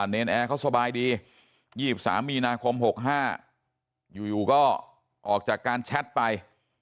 เนรนแอร์เขาสบายดี๒๓มีนาคม๖๕อยู่ก็ออกจากการแชทไป